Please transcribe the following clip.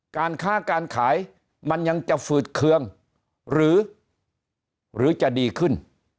การค้าการขายมันยังจะฝืดเคืองหรือจะดีขึ้น